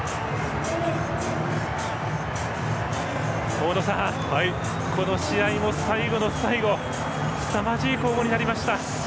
大野さん、この試合も最後の最後すさまじい攻防になりました。